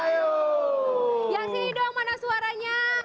yang sini dong mana suaranya